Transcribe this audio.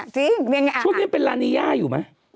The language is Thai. ช่วงนี้เป็นลานีย่าอยู่ไหม